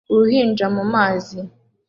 Uruhinja mu mazi